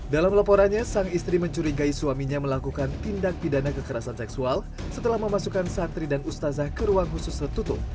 dalam laporannya sang istri mencurigai suaminya melakukan tindak pidana kekerasan seksual setelah memasukkan santri dan ustazah ke ruang khusus tertutup